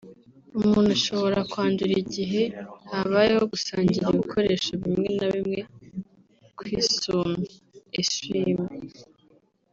umuntu ashobora kwandura igihe habayeho gusangira ibikoresho bimwe na bimwe nk’isume (essui- mains)